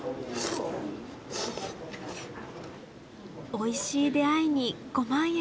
おいしい出会いにご満悦。